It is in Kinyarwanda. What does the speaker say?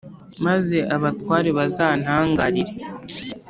maze abatware bazantangarire.